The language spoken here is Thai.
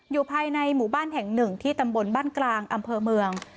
อยู่ภายในหมู่บ้านแห่งหนึ่งที่ตำบลบ้านกลางอำเภอเมือง